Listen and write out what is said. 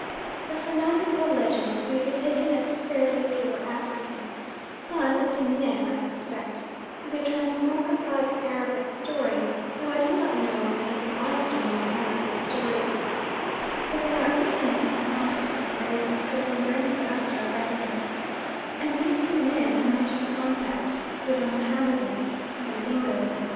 The Fernando Po legend may be taken as fairly pure African, but the Timneh, I expect, is a transmogrified Arabic story though I do not know of anything like it among Arabic stories; but they are infinite in quantity, and there is a certain ring about it I recognise, and these Timnehs are much in contact with the Mohammedan, Mandingoes, etc.